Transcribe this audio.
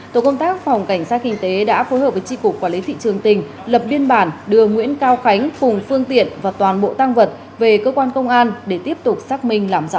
tổ công tác phòng cảnh sát kinh tế đã phối hợp với tri cục quản lý thị trường tỉnh lập biên bản đưa nguyễn cao khánh cùng phương tiện và toàn bộ tăng vật về cơ quan công an để tiếp tục xác minh làm rõ